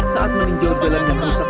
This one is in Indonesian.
saat meninjau jalan yang rusak